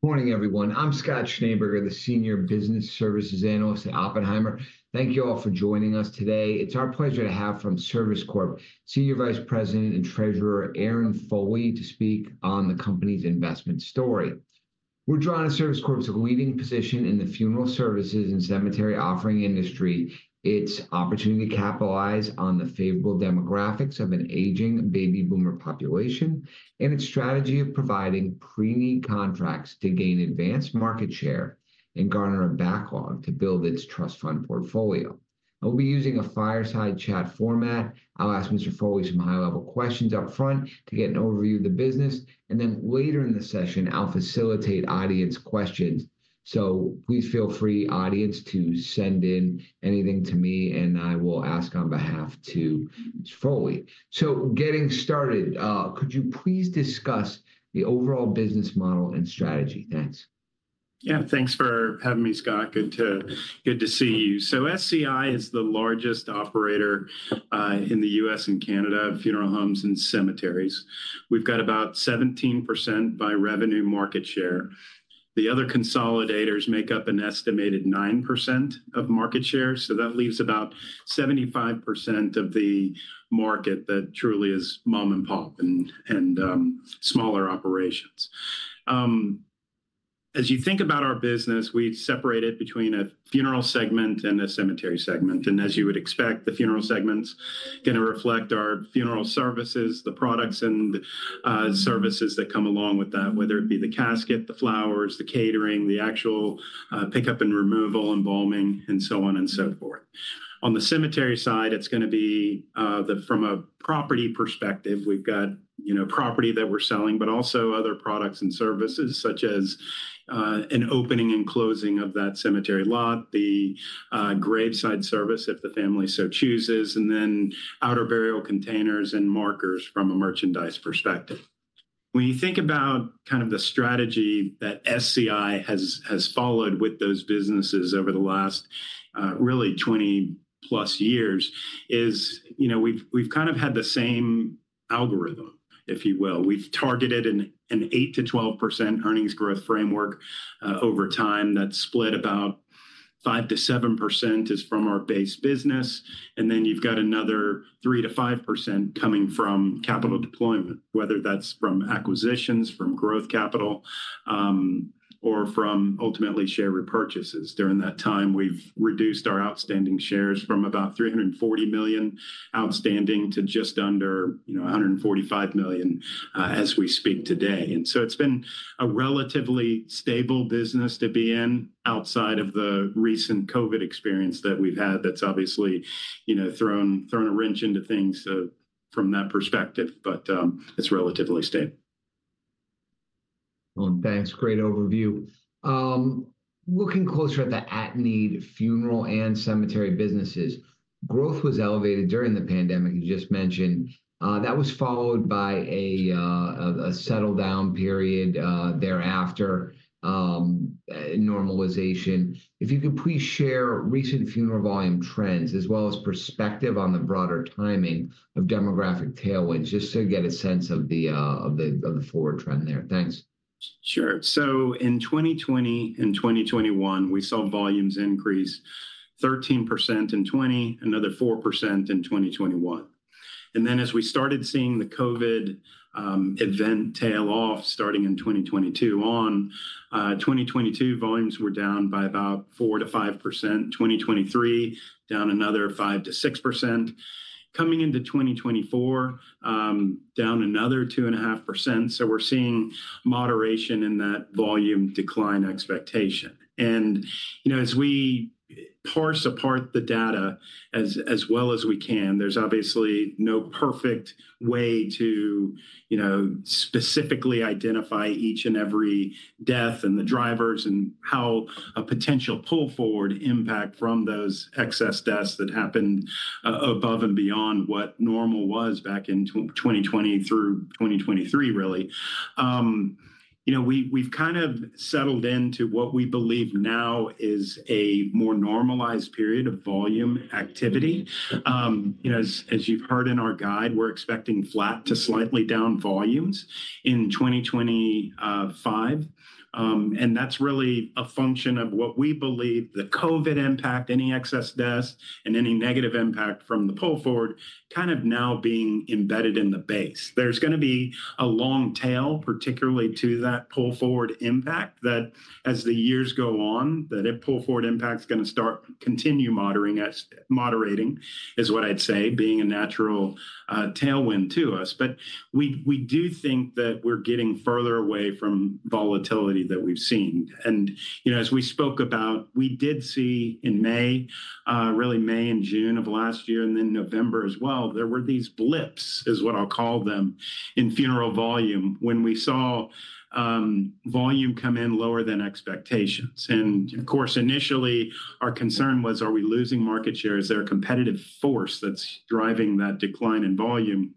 Good morning, everyone. I'm Scott Schneeberger, the Senior Business Services Analyst at Oppenheimer. Thank you all for joining us today. It's our pleasure to have from Service Corp Senior Vice President and Treasurer Aaron Foley to speak on the company's investment story. We're drawn to Service Corp's leading position in the funeral services and cemetery offering industry, its opportunity to capitalize on the favorable demographics of an aging baby boomer population, and its strategy of providing pre-need contracts to gain advance market share and garner a backlog to build its trust fund portfolio. I'll be using a fireside chat format. I'll ask Mr. Foley some high-level questions upfront to get an overview of the business, and then later in the session, I'll facilitate audience questions. So please feel free, audience, to send in anything to me, and I will ask on behalf to Mr. Foley. So getting started, could you please discuss the overall business model and strategy? Thanks. Yeah, thanks for having me, Scott. Good to see you. So SCI is the largest operator in the U.S. and Canada of funeral homes and cemeteries. We've got about 17% by revenue market share. The other consolidators make up an estimated 9% of market share. So that leaves about 75% of the market that truly is mom and pop and smaller operations. As you think about our business, we separate it between a funeral segment and a cemetery segment. And as you would expect, the funeral segment's going to reflect our funeral services, the products and services that come along with that, whether it be the casket, the flowers, the catering, the actual pickup and removal, embalming, and so on and so forth. On the cemetery side, it's going to be from a property perspective. We've got you know property that we're selling, but also other products and services such as an opening and closing of that cemetery lot, the graveside service if the family so chooses, and then outer burial containers and markers from a merchandise perspective. When you think about kind of the strategy that SCI has followed with those businesses over the last really 20-plus years, is you know we've kind of had the same algorithm, if you will. We've targeted an 8%-12% earnings growth framework over time that's split about 5%-7% is from our base business. And then you've got another 3%-5% coming from capital deployment, whether that's from acquisitions, from growth capital, or from ultimately share repurchases. During that time, we've reduced our outstanding shares from about 340 million outstanding to just under 145 million as we speak today. So it's been a relatively stable business to be in outside of the recent COVID experience that we've had that's obviously thrown a wrench into things from that perspective, but it's relatively stable. Thanks. Great overview. Looking closer at the at-need funeral and cemetery businesses, growth was elevated during the pandemic, you just mentioned. That was followed by a settle-down period thereafter, normalization. If you could please share recent funeral volume trends as well as perspective on the broader timing of demographic tailwinds, just to get a sense of the forward trend there. Thanks. Sure. In 2020 and 2021, we saw volumes increase 13% in 2020, another 4% in 2021. And then as we started seeing the COVID event tail off starting in 2022 on, 2022 volumes were down by about 4%-5%. 2023 down another 5%-6%. Coming into 2024, down another 2.5%. So we're seeing moderation in that volume decline expectation. And you know as we parse apart the data as well as we can, there's obviously no perfect way to you know specifically identify each and every death and the drivers and how a potential pull forward impact from those excess deaths that happened above and beyond what normal was back in 2020 through 2023, really. You know we've we've kind of settled into what we believe now is a more normalized period of volume activity. You know as you've heard in our guide, we're expecting flat to slightly down volumes in 2025. And that's really a function of what we believe the COVID impact, any excess deaths, and any negative impact from the pull forward kind of now being embedded in the base. There's going to be a long tail, particularly to that pull forward impact, that as the years go on, that pull forward impact's going to start continue moderating, is what I'd say, being a natural tailwind to us. But we do think that we're getting further away from volatility that we've seen. And you know as we spoke about, we did see in May, really May and June of last year, and then November as well, there were these blips, is what I'll call them, in funeral volume when we saw volume come in lower than expectations. And of course, initially, our concern was, are we losing market share? Is there a competitive force that's driving that decline in volume?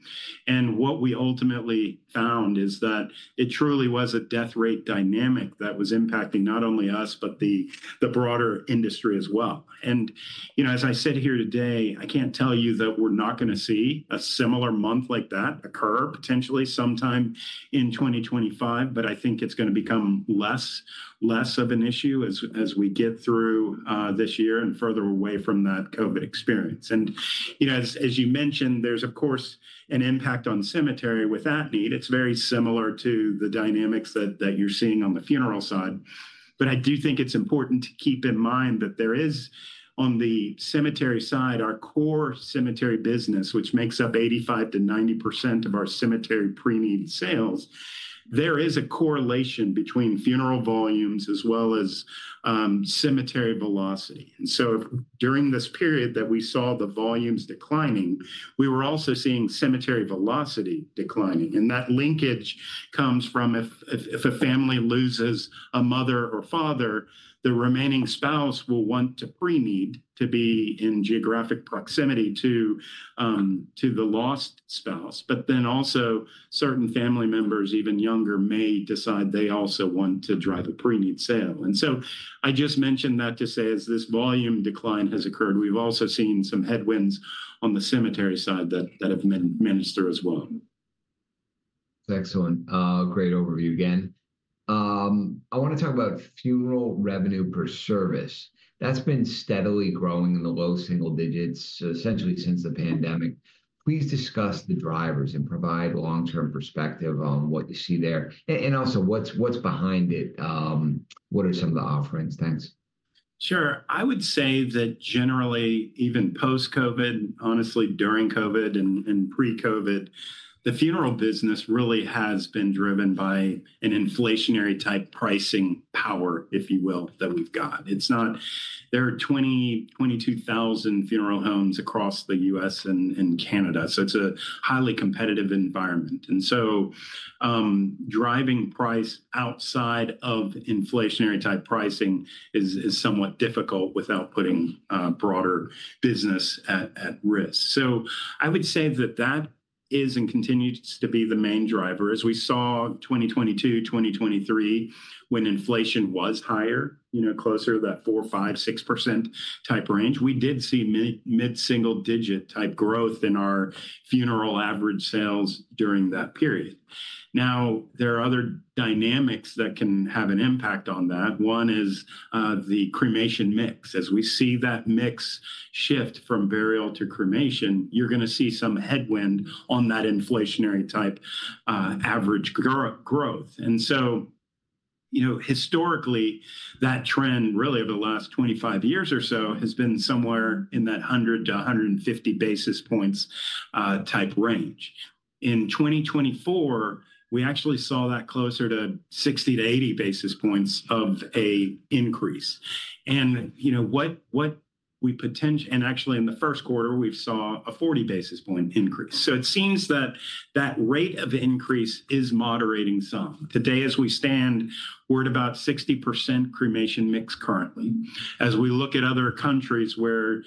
And what we ultimately found is that it truly was a death rate dynamic that was impacting not only us, but the broader industry as well. And you know as I sit here today, I can't tell you that we're not going to see a similar month like that occur potentially sometime in 2025, but I think it's going to become less of an issue as we get through this year and further away from that COVID experience. And you know as you mentioned, there's, of course, an impact on cemetery with at-need. It's very similar to the dynamics that you're seeing on the funeral side. But I do think it's important to keep in mind that there is, on the cemetery side, our core cemetery business, which makes up 85%-90% of our cemetery pre-need sales. There is a correlation between funeral volumes as well as cemetery velocity. And so during this period that we saw the volumes declining, we were also seeing cemetery velocity declining. And that linkage comes from if a family loses a mother or father, the remaining spouse will want to pre-need to be in geographic proximity to the lost spouse. But then also certain family members, even younger, may decide they also want to drive a pre-need sale. And so I just mentioned that to say as this volume decline has occurred, we've also seen some headwinds on the cemetery side that have manifested as well. Excellent. Great overview again. I want to talk about funeral revenue per service. That's been steadily growing in the low single digits essentially since the pandemic. Please discuss the drivers and provide a long-term perspective on what you see there and also what's behind it. What are some of the offerings? Thanks. Sure. I would say that generally, even post-COVID, honestly, during COVID and pre-COVID, the funeral business really has been driven by an inflationary type pricing power, if you will, that we've got. Its not there are 22,000 funeral homes across the U.S. and Canada. So it's a highly competitive environment. And so driving price outside of inflationary type pricing is somewhat difficult without putting broader business at risk. So I would say that that is and continues to be the main driver. As we saw 2022, 2023, when inflation was higher, you know closer to that 4%, 5%, 6% type range, we did see mid-single digit type growth in our funeral average sales during that period. Now, there are other dynamics that can have an impact on that. One is the cremation mix. As we see that mix shift from burial to cremation, you're going to see some headwind on that inflationary type average growth. And so you know historically, that trend really over the last 25 years or so has been somewhere in that 100-150 basis points type range. In 2024, we actually saw that closer to 60-80 basis points of an increase. And you know what we potentially, and actually in the Q1, we saw a 40 basis point increase. So it seems that that rate of increase is moderating some. Today, as we stand, we're at about 60% cremation mix currently. As we look at other countries where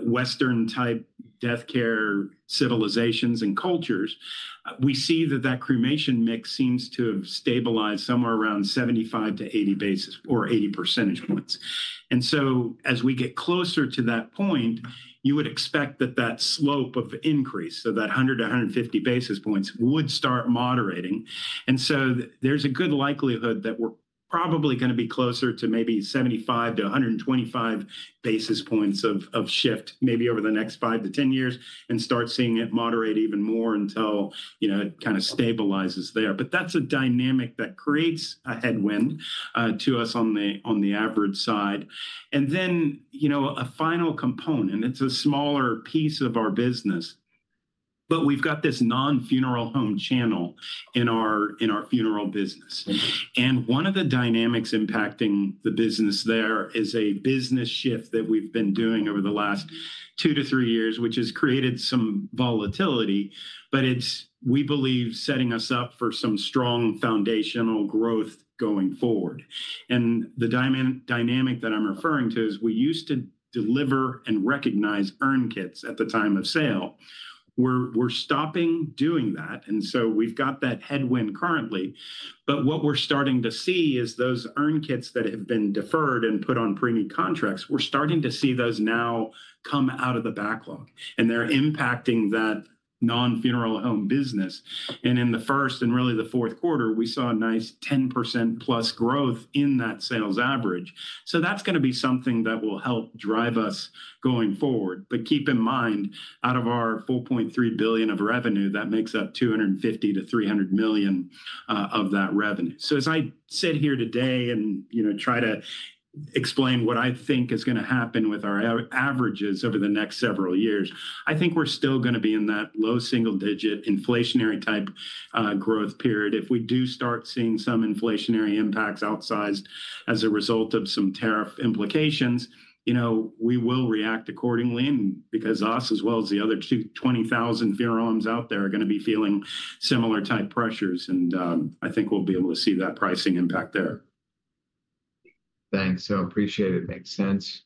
Western type death care civilizations and cultures, we see that that cremation mix seems to have stabilized somewhere around 75%-80%. And so as we get closer to that point, you would expect that that slope of increase, so that 100-150 basis points would start moderating. And so there's a good likelihood that we're probably going to be closer to maybe 75-125 basis points of shift maybe over the next 5-10 years and start seeing it moderate even more until you know it kind of stabilizes there. But that's a dynamic that creates a headwind to us on the average side. And then you know a final component, it's a smaller piece of our business, but we've got this non-funeral home channel in our funeral business. And one of the dynamics impacting the business there is a business shift that we've been doing over the last 2-3 years, which has created some volatility, but it's, we believe, setting us up for some strong foundational growth going forward. And the dynamic that I'm referring to is we used to deliver and recognize urn kits at the time of sale. We're stopping doing that. And so we've got that headwind currently. But what we're starting to see is those urn kits that have been deferred and put on pre-need contracts. We're starting to see those now come out of the backlog. And they're impacting that non-funeral home business. And in the first and really the Q4, we saw a nice 10% plus growth in that sales average. So that's gonna be something that will help drive us going forward. But keep in mind, out of our $4.3 billion of revenue, that makes up $250 million-$300 million of that revenue. So as I sit here today and try to explain what I think is going to happen with our averages over the next several years, I think we're still going to be in that low single digit inflationary type growth period. If we do start seeing some inflationary impacts outsized as a result of some tariff implications, you know we will react accordingly because us, as well as the other 20,000 funeral homes out there are going to be feeling similar type pressures, and I think we'll be able to see that pricing impact there. Thanks. I appreciate it. Makes sense.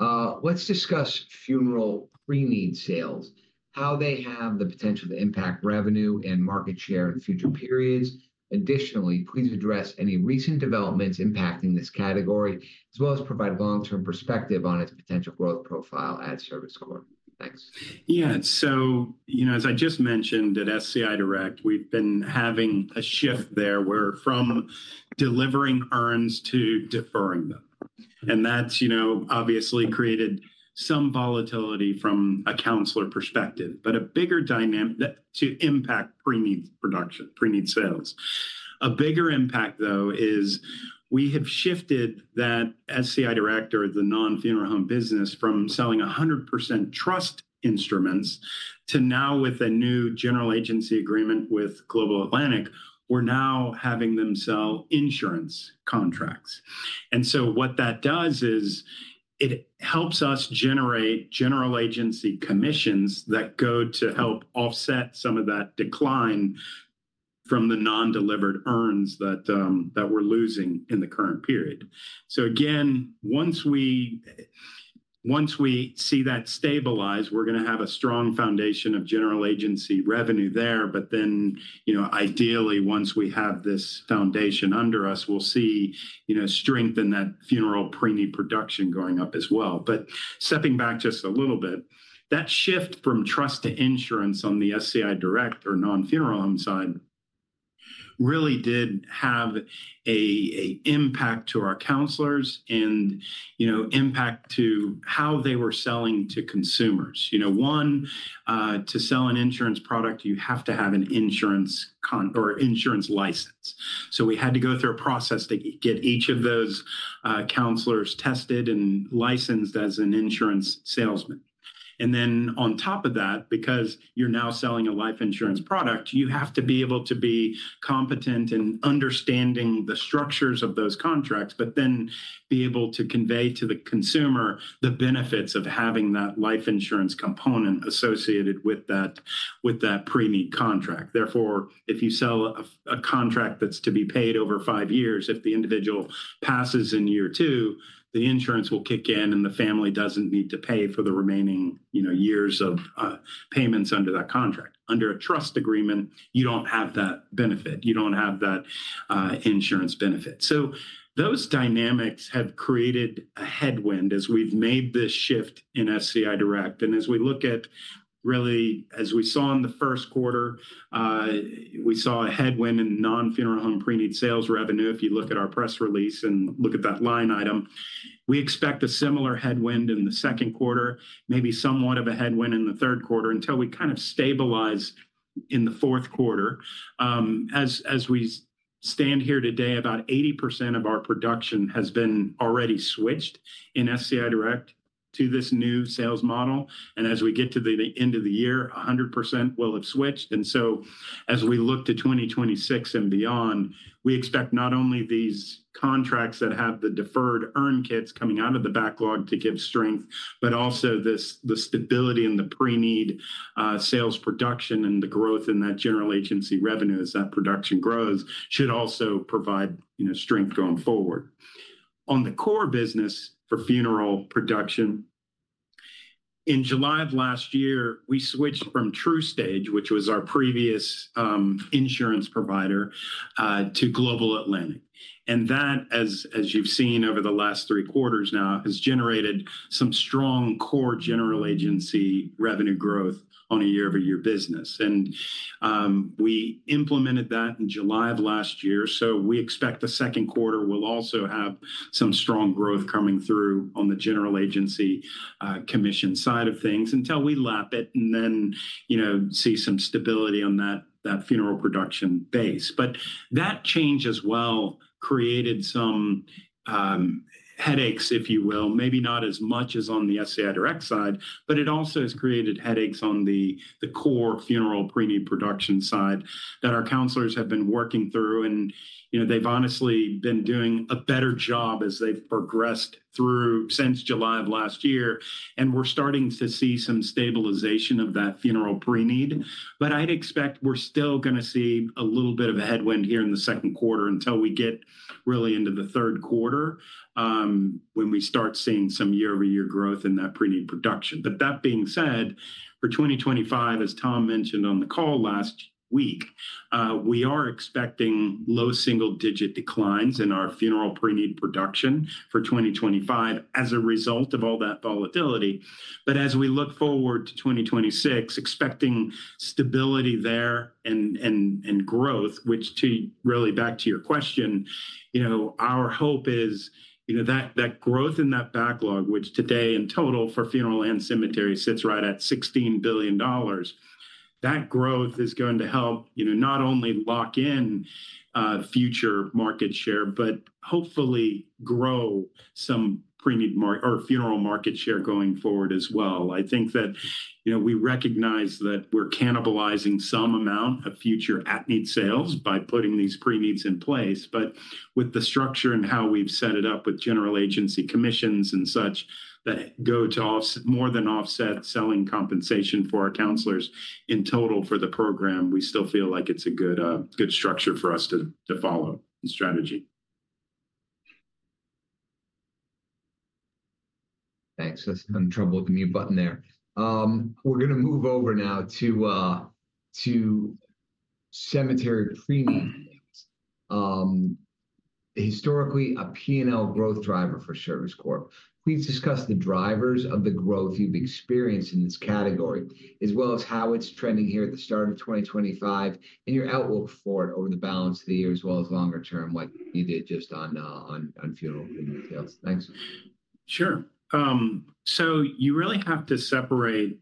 Let's discuss funeral pre-need sales, how they have the potential to impact revenue and market share in future periods. Additionally, please address any recent developments impacting this category, as well as provide a long-term perspective on its potential growth profile at Service Corporation. Thanks. Yeah. So you know as I just mentioned at SCI Direct, we've been having a shift there where from delivering urns to deferring them. And that's you know obviously created some volatility from a counselor perspective, but a bigger dynamic to impact pre-need production, pre-need sales. A bigger impact, though, is we have shifted that SCI Direct, the non-funeral home business, from selling 100% trust instruments to now, with a new general agency agreement with Global Atlantic, we're now having them sell insurance contracts. And so what that does is it helps us generate general agency commissions that go to help offset some of that decline from the non-delivered urns that we're losing in the current period. So again, once we once we see that stabilize, we're going to have a strong foundation of general agency revenue there. But then you know ideally, once we have this foundation under us, we'll see you know strength in that funeral pre-need production going up as well. But stepping back just a little bit, that shift from trust to insurance on the SCI Direct non-funeral home side really did have an impact to our counselors and you know impact to how they were selling to consumers. You know one, to sell an insurance product, you have to have an insurance license. So we had to go through a process to get each of those counselors tested and licensed as an insurance salesman. And then on top of that, because you're now selling a life insurance product, you have to be able to be competent in understanding the structures of those contracts, but then be able to convey to the consumer the benefits of having that life insurance component associated with that pre-need contract. Therefore, if you sell a contract that's to be paid over five years, if the individual passes in year two, the insurance will kick in and the family doesn't need to pay for the remaining you know years of payments under that contract. Under a trust agreement, you don't have that benefit. You don't have that insurance benefit. So those dynamics have created a headwind as we've made this shift in SCI Direct. And as we look at really, as we saw in the Q1, we saw a headwind in non-funeral home pre-need sales revenue. If you look at our press release and look at that line item, we expect a similar headwind in the Q2, maybe somewhat of a headwind in the Q3 until we kind of stabilize in the Q4. As we stand here today, about 80% of our production has been already switched in SCI Direct to this new sales model, and as we get to the end of the year, 100% will have switched, and so as we look to 2026 and beyond, we expect not only these contracts that have the deferred urn kits coming out of the backlog to give strength, but also the stability in the pre-need sales production and the growth in that general agency revenue as that production grows should also provide you know strength going forward. On the core business for funeral production, in July of last year, we switched from TruStage, which was our previous insurance provider, to Global Atlantic, and that, as you've seen over the last three quarters now, has generated some strong core general agency revenue growth on a year-over-year basis, and we implemented that in July of last year. So we expect the Q2 will also have some strong growth coming through on the general agency commission side of things until we lap it and then you know see some stability on that funeral production base. But that change as well created some headaches, if you will, maybe not as much as on the SCI Direct side, but it also has created headaches on the core funeral pre-need production side that our counselors have been working through. And you know they've honestly been doing a better job as they've progressed through since July of last year. And we're starting to see some stabilization of that funeral pre-need. But I'd expect we're still going to see a little bit of a headwind here in the Q2 until we get really into the Q3 when we start seeing some year-over-year growth in that pre-need production. But that being said, for 2025, as Tom mentioned on the call last week, we are expecting low single digit declines in our funeral pre-need production for 2025 as a result of all that volatility. But as we look forward to 2026, expecting stability there and growth, which to really back to your question, you know our hope is you know that that growth in that backlog, which today in total for funeral and cemetery sits right at $16 billion, that growth is going to help you know not only lock in future market share, but hopefully grow some pre-need or funeral market share going forward as well. I think that you know we recognize that we're cannibalizing some amount of future at-need sales by putting these pre-needs in place. But with the structure and how we've set it up with general agency commissions and such that go to more than offset selling compensation for our counselors in total for the program, we still feel like it's a good structure for us to follow and strategy. Thanks. I'm troubled with the mute button there. We're going to move over now to cemetery pre-need. Historically, a P&L growth driver for Service Corporation. Please discuss the drivers of the growth you've experienced in this category, as well as how it's trending here at the start of 2025 and your outlook for it over the balance of the year, as well as longer term, like you did just on funeral pre-need sales. Thanks. Sure. So you really have to separate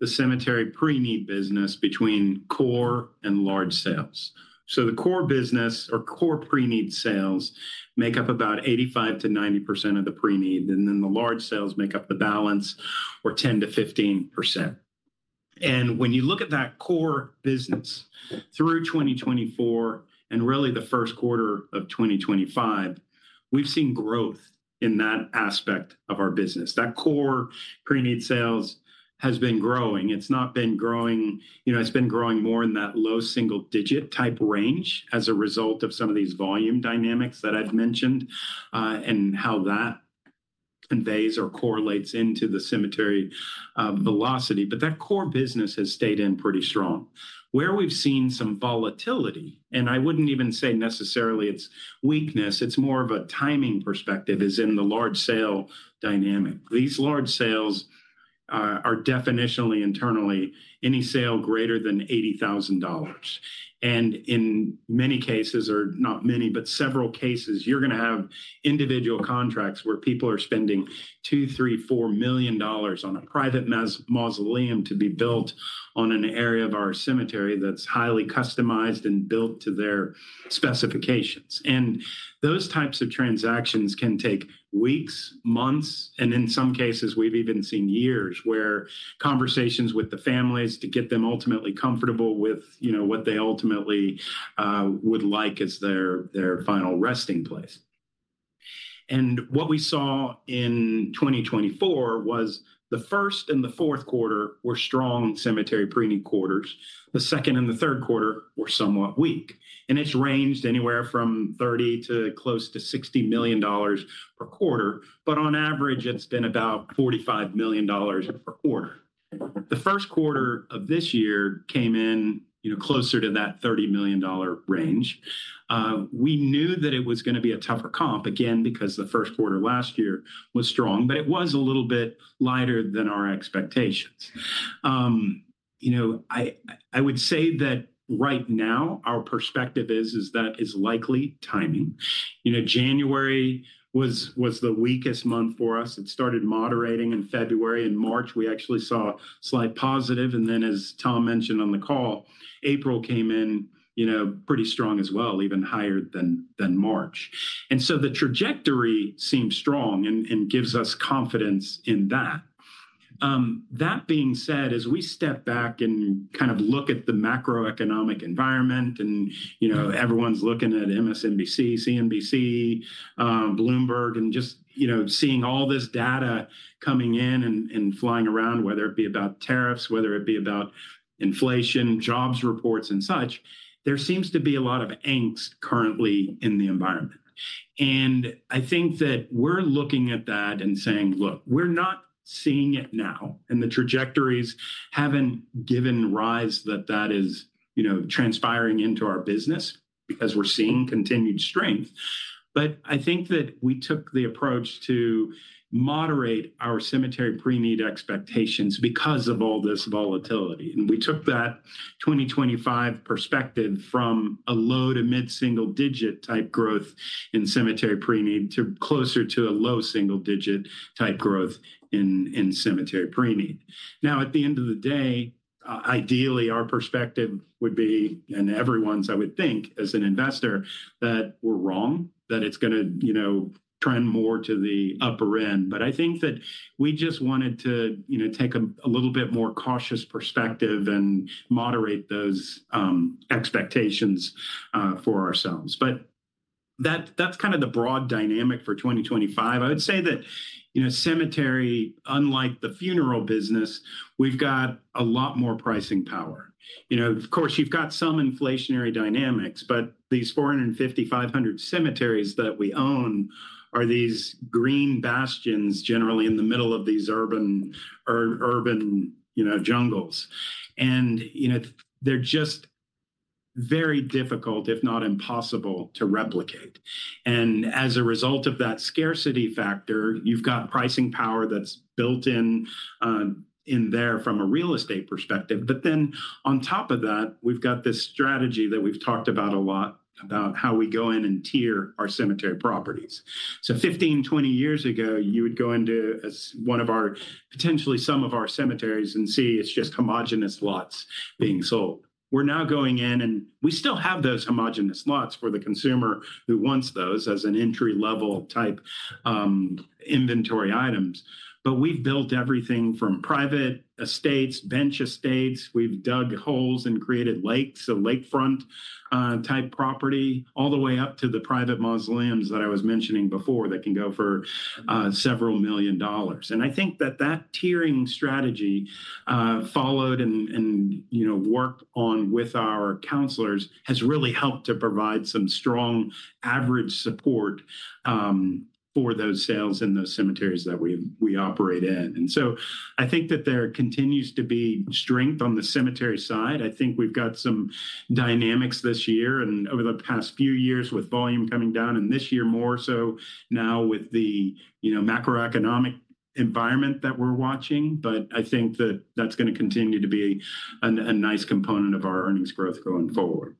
the cemetery pre-need business between core and large sales. So the core business or core pre-need sales make up about 85%-90% of the pre-need, and then the large sales make up the balance or 10%-15%. And when you look at that core business through 2024 and really the Q1 of 2025, we've seen growth in that aspect of our business. That core pre-need sales has been growing. It's not been growing. It's been growing more in that low single digit type range as a result of some of these volume dynamics that I've mentioned and how that conveys or correlates into the cemetery velocity. But that core business has stayed in pretty strong. Where we've seen some volatility, and I wouldn't even say necessarily it's weakness, it's more of a timing perspective, is in the large sale dynamic. These large sales are definitionally internally any sale greater than $80,000. And in many cases, or not many, but several cases, you're going to have individual contracts where people are spending $2, $3, $4 million on a private mausoleum to be built on an area of our cemetery that's highly customized and built to their specifications. And those types of transactions can take weeks, months, and in some cases, we've even seen years where conversations with the families to get them ultimately comfortable with you know what they ultimately would like as their final resting place. And what we saw in 2024 was the first and the Q4 were strong cemetery pre-need quarters. The second and the Q3 were somewhat weak. And it's ranged anywhere from $30 million to close to $60 million per quarter. But on average, it's been about $45 million per quarter. The Q1 of this year came in closer to that $30 million range. We knew that it was going to be a tougher comp, again, because the Q1 last year was strong, but it was a little bit lighter than our expectations. You know I would say that right now, our perspective is that is likely timing. You know January was the weakest month for us. It started moderating in February. In March, we actually saw a slight positive. And then, as Tom mentioned on the call, April came in you know pretty strong as well, even higher than March. And so the trajectory seems strong and gives us confidence in that. That being said, as we step back and kind of look at the macroeconomic environment and you know everyone's looking at MSNBC, CNBC, Bloomberg, and just you know seeing all this data coming in and flying around, whether it be about tariffs, whether it be about inflation, jobs reports, and such, there seems to be a lot of angst currently in the environment. And I think that we're looking at that and saying, "Look, we're not seeing it now." And the trajectories haven't given rise that that is you know transpiring into our business because we're seeing continued strength. But I think that we took the approach to moderate our cemetery pre-need expectations because of all this volatility. And we took that 2025 perspective from a low to mid-single digit type growth in cemetery pre-need to closer to a low single digit type growth in cemetery pre-need. Now, at the end of the day, ideally, our perspective would be, and everyone's, I would think, as an investor, that we're wrong, that it's gonna you know trend more to the upper end. But I think that we just wanted to take a little bit more cautious perspective and moderate those expectations for ourselves. But that's kind of the broad dynamic for 2025. I would say that you know cemetery, unlike the funeral business, we've got a lot more pricing power. You know of course, you've got some inflationary dynamics, but these 450-500 cemeteries that we own are these green bastions generally in the middle of these urban you know jungles, and they're just very difficult, if not impossible, to replicate, and as a result of that scarcity factor, you've got pricing power that's built in there from a real estate perspective. But then, on top of that, we've got this strategy that we've talked about a lot about how we go in and tier our cemetery properties. So 15, 20 years ago, you would go into one of our potentially some of our cemeteries and see it's just homogeneous lots being sold. We're now going in, and we still have those homogeneous lots for the consumer who wants those as an entry-level type inventory items. But we've built everything from private estates, bench estates. We've dug holes and created lakes, a lakefront type property, all the way up to the private mausoleums that I was mentioning before that can go for several million dollars. And I think that tiering strategy followed and and you know worked on with our counselors has really helped to provide some strong average support for those sales in those cemeteries that we operate in. And so I think that there continues to be strength on the cemetery side. I think we've got some dynamics this year and over the past few years with volume coming down and this year more so now with the you know macroeconomic environment that we're watching. But I think that that's going to continue to be a nice component of our earnings growth going forward.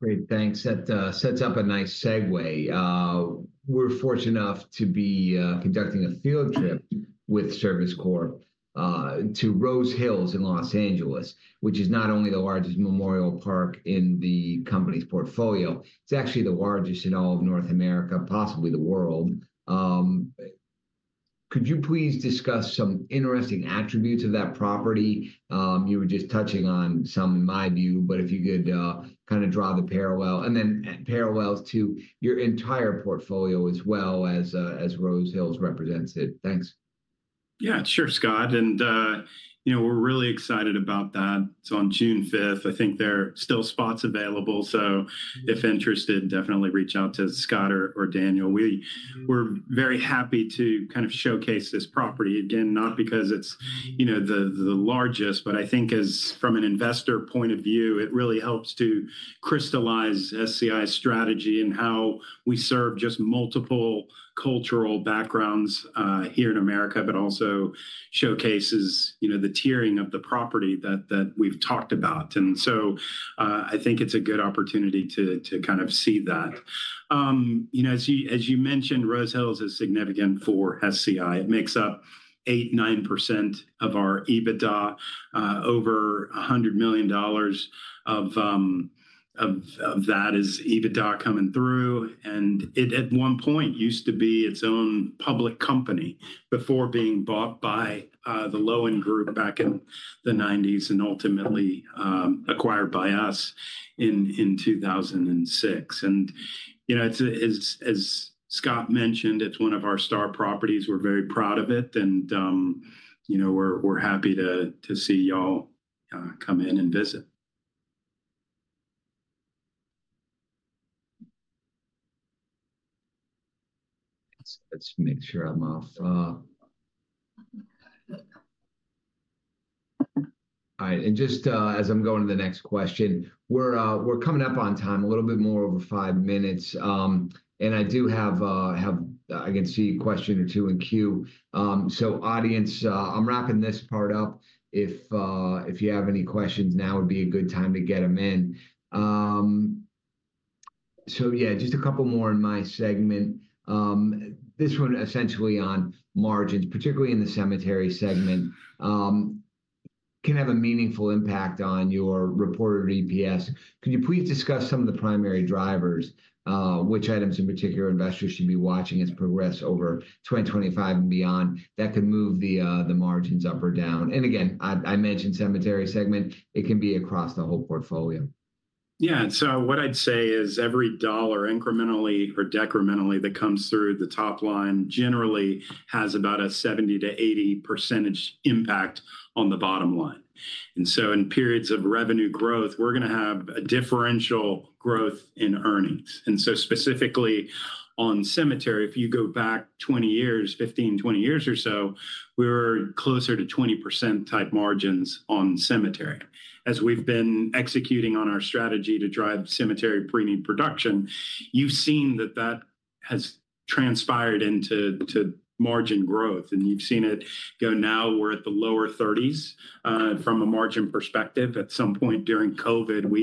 Great. Thanks. That sets up a nice segue. We're fortunate enough to be conducting a field trip with Service Corp to Rose Hills in Los Angeles, which is not only the largest memorial park in the company's portfolio, it's actually the largest in all of North America, possibly the world. Could you please discuss some interesting attributes of that property? You were just touching on some in my view, but if you could kind of draw the parallels and then parallel to your entire portfolio as well as Rose Hills represents it. Thanks. Yeah, sure, Scott, and you know we're really excited about that, so on June 5th, I think there are still spots available, so if interested, definitely reach out to Scott or Daniel. We're very happy to kind of showcase this property, again, not because it's you know the largest, but I think as from an investor point of view, it really helps to crystallize SCI's strategy and how we serve just multiple cultural backgrounds here in America, but also showcases you know the tiering of the property that we've talked about, and so I think it's a good opportunity to kind of see that. You know as you as you mentioned, Rose Hills is significant for SCI. It makes up 8%-9% of our EBITDA. Over $100 million of that is EBITDA coming through. And it at one point used to be its own public company before being bought by the Loewen Group back in the 1990s and ultimately acquired by us in 2006. And you know as Scott mentioned, it's one of our star properties. We're very proud of it. And you know we're happy to see y'all come in and visit. Let's make sure I'm off. I and just as I'm going to the next question, we're coming up on time, a little bit more over five minutes. And I do have, I can see a question or two in queue. So audience, I'm wrapping this part up. If you have any questions now, it would be a good time to get them in. So yeah, just a couple more in my segment. This one essentially on margins, particularly in the cemetery segment, can have a meaningful impact on your reported EPS. Could you please discuss some of the primary drivers, which items in particular investors should be watching as progress over 2025 and beyond that could move the margins up or down? And again, I mentioned cemetery segment. It can be across the whole portfolio. Yeah. So what I'd say is every dollar incrementally or decrementally that comes through the top line generally has about a 70%-80% impact on the bottom line. And so in periods of revenue growth, we're gonna have a differential growth in earnings. And so specifically on cemetery, if you go back 20 years, 15, 20 years or so, we were closer to 20% type margins on cemetery. As we've been executing on our strategy to drive cemetery pre-need production, you've seen that that has transpired into margin growth. And you've seen it go now. We're at the lower 30s from a margin perspective. At some point during COVID, we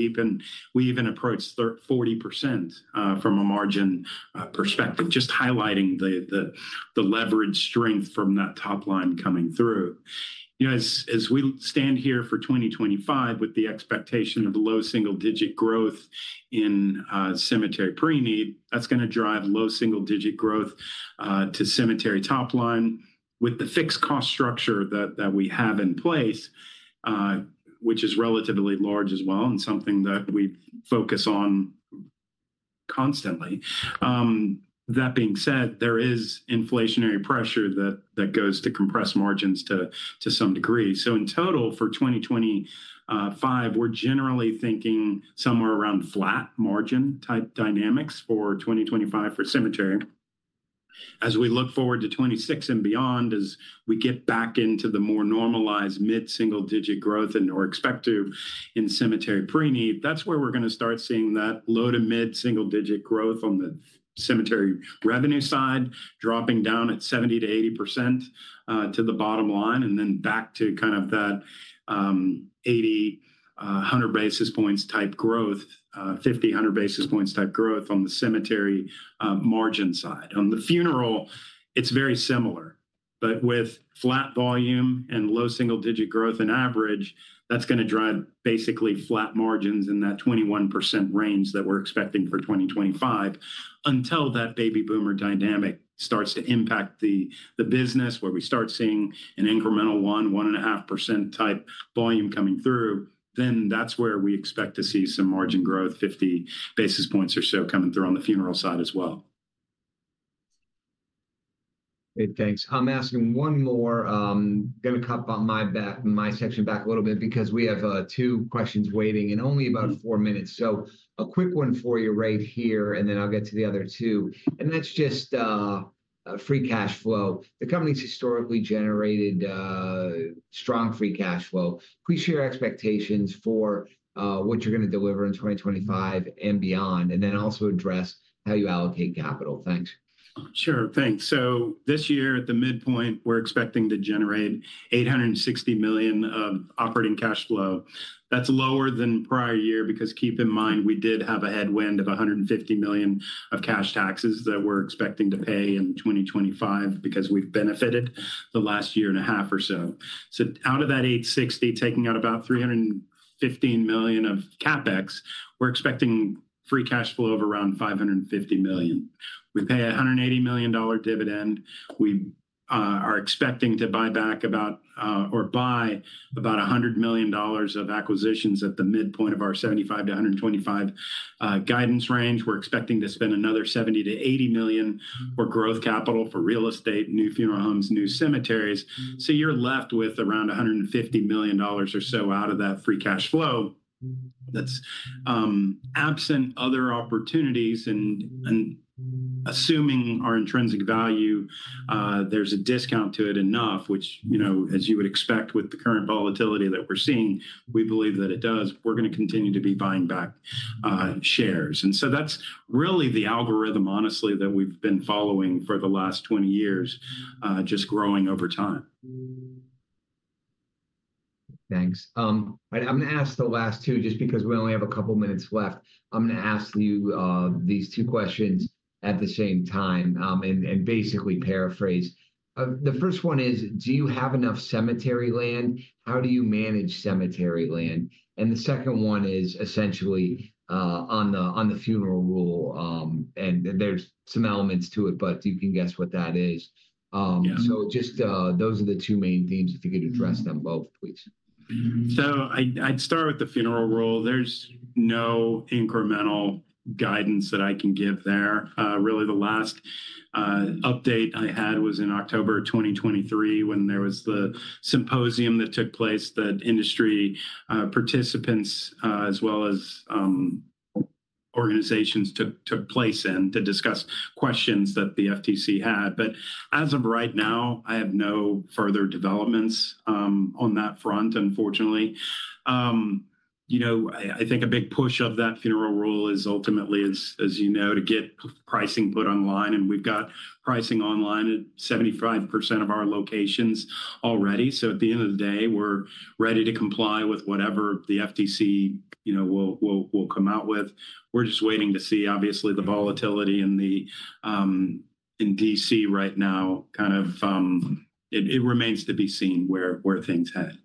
even approached 40% from a margin perspective, just highlighting the leverage strength from that top line coming through. You know as we stand here for 2025 with the expectation of low single digit growth in cemetery pre-need, that's going to drive a low single digit growth to cemetery top line with the fixed cost structure that we have in place, which is relatively large as well and something that we focus on constantly. That being said, there is inflationary pressure that goes to compress margins to some degree. So in total for 2025, we're generally thinking somewhere around flat margin type dynamics for 2025 for cemetery. As we look forward to 2026 and beyond, as we get back into the more normalized mid-single digit growth and/or expect to in cemetery pre-need, that's where we're going to start seeing that low to mid-single digit growth on the cemetery revenue side dropping down at 70%-80% to the bottom line and then back to kind of that 80-100 basis points type growth, 50-100 basis points type growth on the cemetery margin side. On the funeral, it's very similar. But with flat volume and low single digit growth and average, that's going to drive basically flat margins in that 21% range that we're expecting for 2025 until that baby boomer dynamic starts to impact the business where we start seeing an incremental 1%-1.5% type volume coming through. Then that's where we expect to see some margin growth, 50 basis points or so coming through on the funeral side as well. Great. Thanks. I'm asking one more. I'm going to cut my section back a little bit because we have two questions waiting in only about four minutes. So a quick one for you right here, and then I'll get to the other two. And that's just free cash flow. The company's historically generated strong free cash flow. Please share your expectations for what you're going to deliver in 2025 and beyond, and then also address how you allocate capital. Thanks. Sure. Thanks. So this year at the midpoint, we're expecting to generate $860 million of operating cash flow. That's lower than prior year because, keep in mind, we did have a headwind of $150 million of cash taxes that we're expecting to pay in 2025 because we've benefited the last year and a half or so. So out of that $860 million, taking out about $315 million of CapEx, we're expecting free cash flow of around $550 million. We pay a $180 million dividend. We are expecting to buy back about or buy about $100 million of acquisitions at the midpoint of our $75 million-$125 million guidance range. We're expecting to spend another $70 million-$80 million for growth capital for real estate, new funeral homes, new cemeteries. So you're left with around $150 million or so out of that free cash flow. That's absent other opportunities. And assuming our intrinsic value, there's a discount to it enough, which, you know as you would expect with the current volatility that we're seeing, we believe that it does. We gonna continue to be buying back shares. And so that's really the algorithm, honestly, that we've been following for the last 20 years, just growing over time. Thanks. I'm gonna ask the last two just because we only have a couple of minutes left. I'm gonna ask you these two questions at the same time and basically paraphrase. The first one is, do you have enough cemetery land? How do you manage cemetery land? And the second one is essentially on the Funeral Rule. And there's some elements to it, but you can guess what that is. So just those are the two main themes. If you could address them both, please. So I'd start with the Funeral Rule. There's no incremental guidance that I can give there. Really, the last update I had was in October 2023 when there was the symposium that took place, that industry participants as well as organizations took place in to discuss questions that the FTC had. But as of right now, I have no further developments on that front, unfortunately. You know I think a big push of that Funeral Rule is ultimately, as you know, to get pricing put online. And we've got pricing online at 75% of our locations already. So at the end of the day, we're ready to comply with whatever the FTC you know will come out with. We're just waiting to see, obviously, the volatility in the in DC right now. Kind of, it remains to be seen where things head.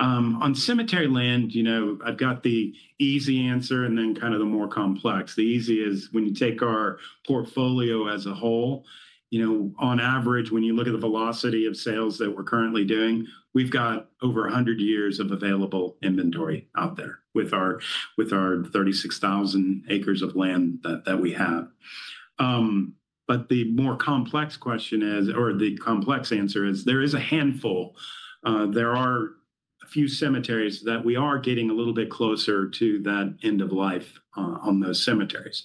On cemetery land you know, I've got the easy answer and then kind of the more complex. The easy is when you take our portfolio as a whole, you know on average, when you look at the velocity of sales that we're currently doing, we've got over 100 years of available inventory out there with our 36,000 acres of land that we have. But the more complex question is, or the complex answer is, there is a handful. There are a few cemeteries that we are getting a little bit closer to that end of life on those cemeteries.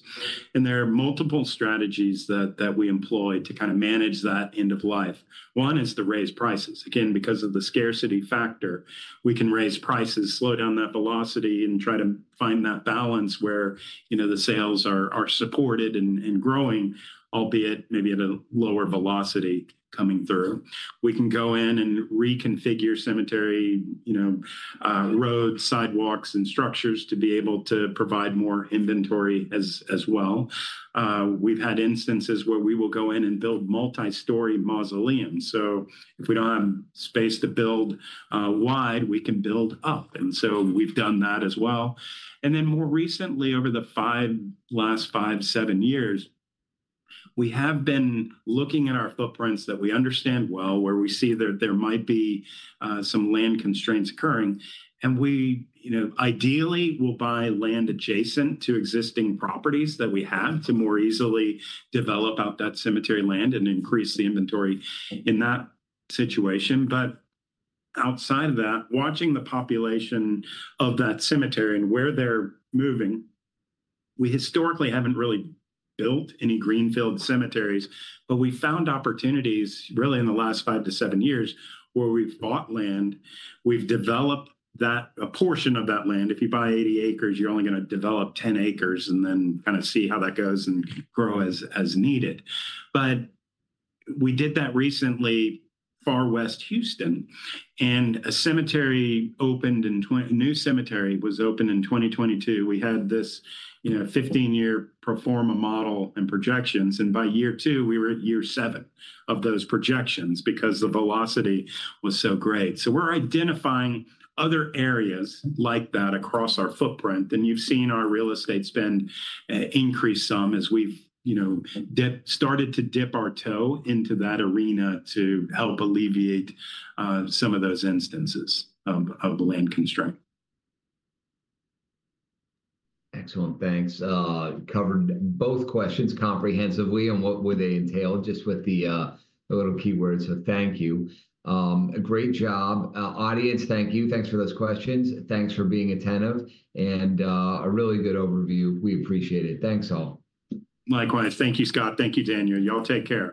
And there are multiple strategies that we employ to kind of manage that end of life. One is to raise prices. Again, because of the scarcity factor, we can raise prices, slow down that velocity, and try to find that balance where you know the sales are supported and growing, albeit maybe at a lower velocity coming through. We can go in and reconfigure cemetery you know roads, sidewalks, and structures to be able to provide more inventory as well. We've had instances where we will go in and build multi-story mausoleums. So if we don't have space to build wide, we can build up. And so we've done that as well. And then more recently, over the five last five, seven years, we have been looking at our footprints that we understand well, where we see that there might be some land constraints occurring. And we you know ideally will buy land adjacent to existing properties that we have to more easily develop out that cemetery land and increase the inventory in that situation. But outside of that, watching the population of that cemetery and where they're moving, we historically haven't really built any greenfield cemeteries, but we found opportunities really in the last five to seven years where we've bought land. We've developed that a portion of that land. If you buy 80 acres, you're only going to develop 10 acres and then kind of see how that goes and grow as needed. But we did that recently far west Houston. And a cemetery opened a new cemetery was opened in 2022. We had this you know 15-year pro forma model and projections. And by year two, we were at year seven of those projections because the velocity was so great. So we're identifying other areas like that across our footprint. And you've seen our real estate spend increase some as we've you know started to dip our toe into that arena to help alleviate some of those instances of land constraint. Excellent. Thanks. Covered both questions comprehensively and what would they entail just with the little keywords. So thank you. A great job. Audience, thank you. Thanks for those questions. Thanks for being attentive and a really good overview. We appreciate it. Thanks all. Likewise. Thank you, Scott. Thank you, Daniel. Y'all take care.